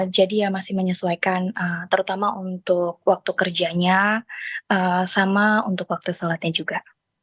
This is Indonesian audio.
jadi ya masih menyesuaikan terutama untuk waktu kerjanya sama untuk waktu sholatnya juga